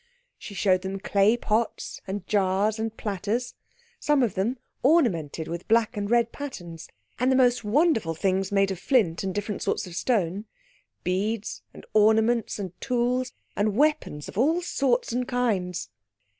She showed them the clay pots and jars and platters, some of them ornamented with black and red patterns, and the most wonderful things made of flint and different sorts of stone, beads, and ornaments, and tools and weapons of all sorts and kinds.